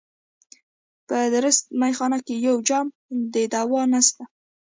په درسته مېخانه کي یو جام د دوا نسته